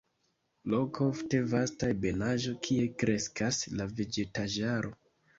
Loko, ofte vasta ebenaĵo, kie kreskas la vegetaĵaro.